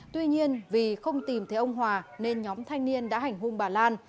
tuy nhiên vì không tìm thấy ông hòa nên nhóm thanh niên đã hành hung bà lan